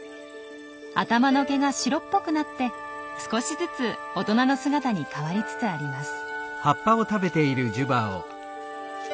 頭の毛が白っぽくなって少しずつ大人の姿に変わりつつあります。